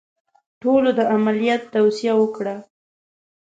ټولو د عملیات توصیه وکړه.